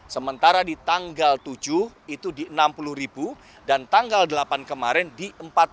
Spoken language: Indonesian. sementara di tanggal tujuh itu di enam puluh ribu dan tanggal delapan kemarin di empat puluh lima